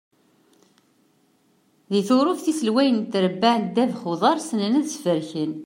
Di Turuft, iselwayen n trebbaɛ n ddabex n uḍar ssnen ad sfreken.